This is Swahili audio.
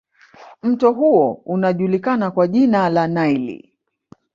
Mto huo unajulikana kwa jina la Nile